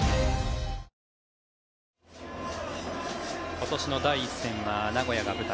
今年の第１戦は名古屋が舞台。